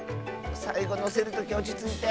さいごのせるときおちついて。